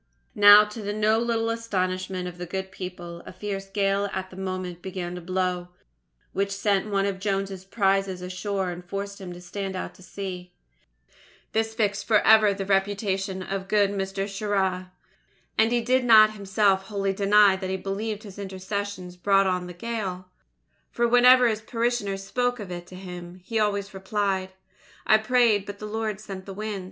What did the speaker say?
Now, to the no little astonishment of the good people, a fierce gale at that moment began to blow, which sent one of Jones's prizes ashore and forced him to stand out to sea. This fixed for ever the reputation of good Mr. Shirra. And he did not himself wholly deny that he believed his intercessions brought on the gale, for whenever his parishioners spoke of it to him, he always replied: "I prayed, but the Lord sent the wind."